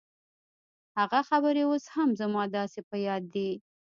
هغه خبرې اوس هم زما داسې په ياد دي.